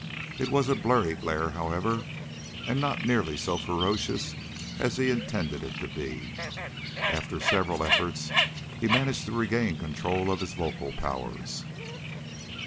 It was a blurry glare, however, and not nearly so ferocious as he intended it to be. After several efforts he managed to regain control of his vocal powers.